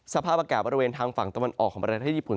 สภาพอากาศบริเวณทางฝั่งตะวันออกของประเทศญี่ปุ่น